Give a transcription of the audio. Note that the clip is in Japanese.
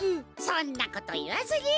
そんなこといわずに。